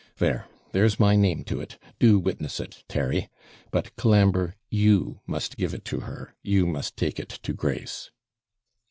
There, there's my name to it do witness it, Terry. But, Colambre, you must give it to her you must take it to Grace.'